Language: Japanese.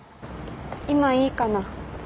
今いいかな？